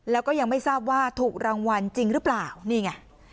แล้วก็ยังไม่ทราบว่าถูกรางวัลจริงหรือเปล่านี่ไง